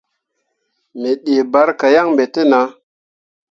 Me dii barka yan ɓe te nah.